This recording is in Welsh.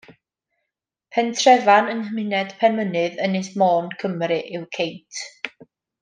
Pentrefan yng nghymuned Penmynydd, Ynys Môn, Cymru yw Ceint.